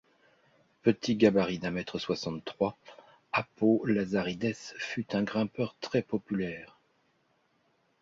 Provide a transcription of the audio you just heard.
Petit gabarit d'un mètre soixante-trois, Apo Lazaridès fut un grimpeur très populaire.